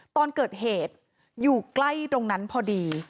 ตอนเกิดเหตุอยู่ใกล้ตรงนั้นพอดี